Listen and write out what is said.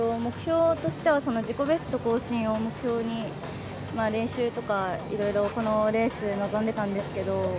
自己ベスト更新を目標に練習とか、いろいろこのレースに臨んでたんですけど。